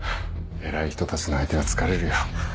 偉い人たちの相手は疲れるよ。